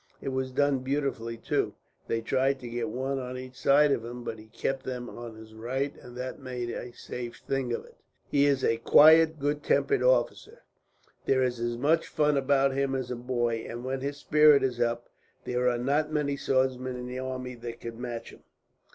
It was done beautifully, too. They tried to get one on each side of him, but he kept them on his right, and that made a safe thing of it. "He is a quiet, good tempered officer. There is as much fun about him as a boy, but when his spirit is up, there are not many swordsmen in the army that could match him.